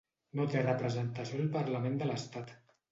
No té representació al parlament de l'estat.